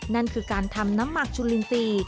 นั่นคือการทำน้ำหมักชุลินตี